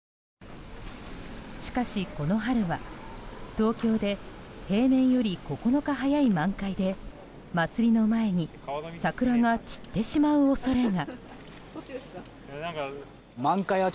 しかし、この春は東京で平年より９日早い満開で祭りの前に桜が散ってしまう恐れが。